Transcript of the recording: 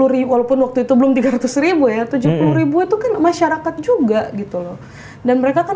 ribu walaupun waktu itu belum tiga ratus ribu ya tujuh puluh ribu itu kan masyarakat juga gitu loh dan mereka kan